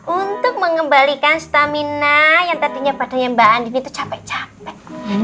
untuk mengembalikan stamina yang tadinya badannya mbak andi itu capek capek